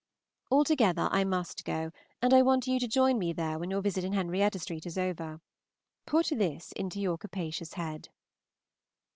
Altogether, I must go, and I want you to join me there when your visit in Henrietta St. is over. Put this into your capacious head.